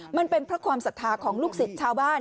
มันเป็นเพราะความศรัทธาของลูกศิษย์ชาวบ้าน